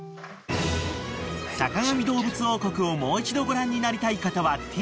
［『坂上どうぶつ王国』をもう一度ご覧になりたい方はＴＶｅｒで］